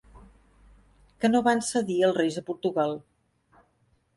Què no van cedir els reis a Portugal?